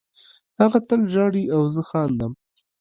هغه تل ژاړي او زه خاندم